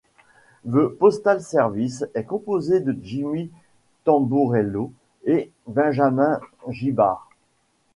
The Postal Service est composé de Jimmy Tamborello et Benjamin Gibbard.